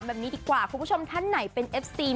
แบบนี้ดีกว่าคุณผู้ชมท่านไหนเป็นเอฟซี